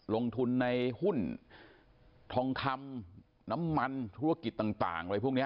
ลงทุนในหุ้นทองคำน้ำมันธุรกิจต่างอะไรพวกนี้